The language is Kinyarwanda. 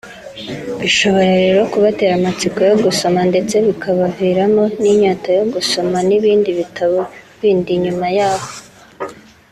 bishobora rero kubatera amatsiko yo gusoma ndetse bikabaviramo n’inyota yo gusoma n’ibindi bitabo bindi nyuma yaho